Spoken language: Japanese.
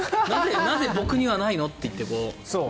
なぜ僕にはないの？っていって。